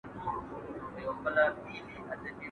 ¬ حال د ويلو نه دئ، ځای د ښوولو نه دئ.